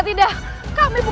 kita tidak dapat berdoa